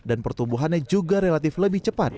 dan pertumbuhannya juga relatif lebih cepat